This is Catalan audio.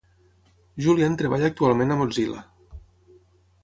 Julian treballa actualment a Mozilla.